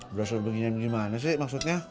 berasal beginian gimana sih maksudnya